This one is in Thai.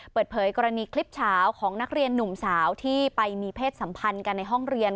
เปิดเผยกรณีคลิปเฉาของนักเรียนหนุ่มสาวที่ไปมีเพศสัมพันธ์กันในห้องเรียน